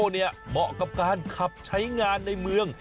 เหมาะกับการขับใช้งานในเมือง